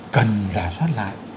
cần giả soát lại